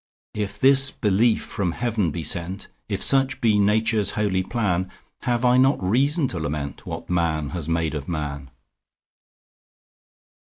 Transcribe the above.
If this belief from heaven be sent, If such be Nature's holy plan, Have I not reason to lament What man has made of man?